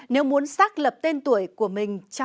nếu muốn xác lập tên tuổi của mình trong một ca khúc